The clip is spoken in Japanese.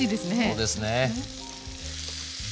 そうですね。